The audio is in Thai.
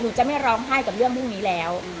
จะไม่ร้องไห้กับเรื่องพวกนี้แล้ว